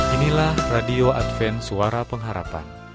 inilah radio adven suara pengharapan